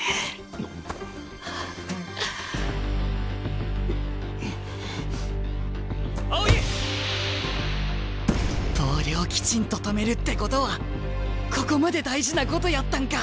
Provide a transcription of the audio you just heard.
心の声ボールをきちんと止めるってことはここまで大事なことやったんか！